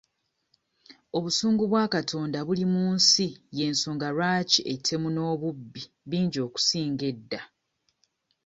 Obusungu bwa Katonda buli mu nsi y'ensonga lwaki ettemu n'obubbi bingi okusinga edda.